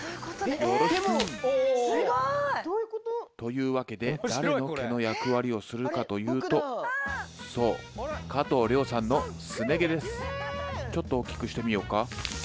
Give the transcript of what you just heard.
すごい！というわけで誰の毛の役割をするかというとそうちょっと大きくしてみようか。